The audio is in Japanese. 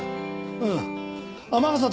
うん。